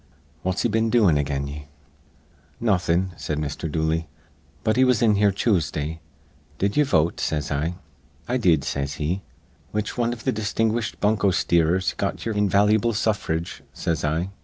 What's he been doin' again ye?" "Nawthin'," said Mr. Dooley, "but he was in here Choosday. 'Did ye vote?' says I. 'I did,' says he. 'Which wan iv th' distinguished bunko steerers got ye'er invalu'ble suffrage?' says I.